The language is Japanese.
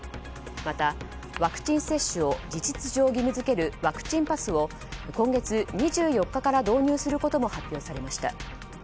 また、ワクチン接種を事実上義務付けるワクチンパスを今月２４日から導入することも発表されました。